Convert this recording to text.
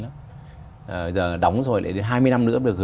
bây giờ đóng rồi đến hai mươi năm nữa